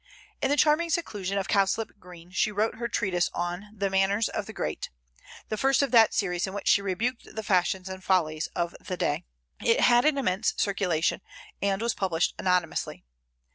In the charming seclusion of Cowslip Green she wrote her treatise on the "Manners of the Great;" the first of that series in which she rebuked the fashions and follies of the day. It had an immense circulation, and was published anonymously.